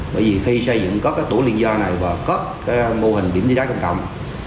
bởi vì khi xây dựng có tổ liên gia này và có mô hình điểm chữa cháy công cộng